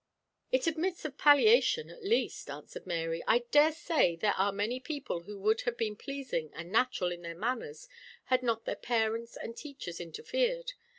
"It admits of palliation, at least," answered Mary. "I dare say there are many people who would have been pleasing and natural in their manners had not their parents and teachers interfered.